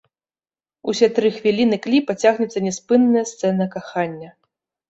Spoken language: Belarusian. Усе тры хвіліны кліпа цягнецца няспынная сцэна кахання.